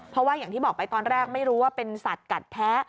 เพราะว่าอย่างที่บอกไปตอนแรกไม่รู้ว่าเป็นสัตว์กัดแพ้